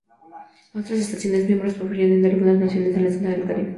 Otras estaciones miembros provienen de algunas naciones en la zona del Caribe.